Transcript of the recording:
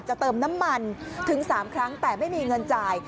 เติมน้ำมันถึง๓ครั้งแต่ไม่มีเงินจ่าย